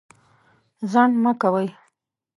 ځنډ مه کوئ.